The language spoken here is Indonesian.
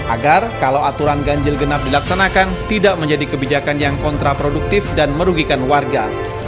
agar kalau aturan ganjil genap dilaksanakan tidak menjadi kebijakan yang kontraproduktif dan merugikan warga